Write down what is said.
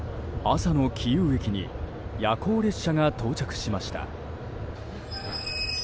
朝のキーウ駅に夜行列車が到着しました。